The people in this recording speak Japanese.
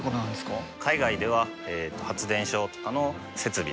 海外では発電所とかの設備ですね。